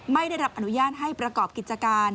ไม่ได้รับอนุญาตให้ประกอบกิจการ